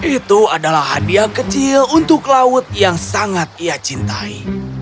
itu adalah hadiah kecil untuk laut yang sangat ia cintai